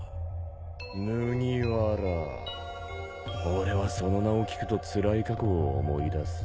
俺はその名を聞くとつらい過去を思い出す。